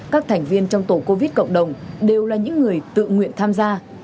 các thành viên trong tổ covid cộng đồng đều là những người tự nguyện tham gia